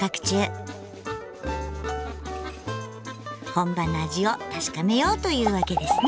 本場の味を確かめようというわけですね。